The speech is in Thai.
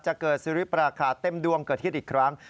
จะเกิดสุริปราคาเต็มดวงเกิดฮิตอีกครั้ง